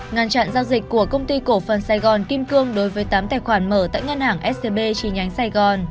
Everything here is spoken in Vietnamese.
ngăn chặn giao dịch của công ty cổ phần sài gòn kim cương đối với tám tài khoản mở tại ngân hàng scb chi nhánh sài gòn